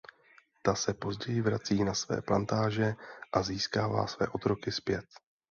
Ta se později vrací na své plantáže a získává své otroky zpět.